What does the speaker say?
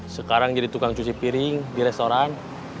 sekarang jadi tukang cuci piring di restoran